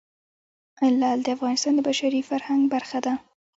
لعل د افغانستان د بشري فرهنګ برخه ده.